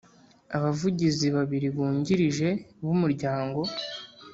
Abavugizi babiri bungirije b umuryango